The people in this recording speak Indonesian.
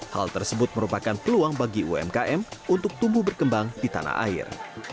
hal tersebut merupakan peluang bagi umkm untuk tumbuh berkembang di tanah air